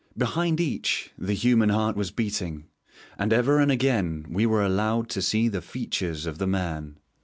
Behind each the human heart was beating; and ever and again we were allowed to see the features of the man.